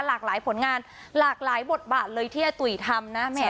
หลากหลายผลงานหลากหลายบทบาทเลยที่อาตุ๋ยทำนะแม่